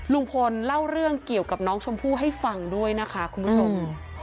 ลุงพลเล่าเรื่องเกี่ยวกับน้องชมพู่ให้ฟังด้วยนะคะคุณผู้ชม